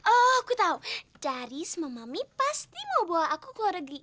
aku tau daddy sama mami pasti mau bawa aku keluar lagi